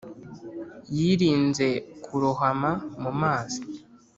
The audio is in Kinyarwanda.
yirinze kurohoma mu mazi,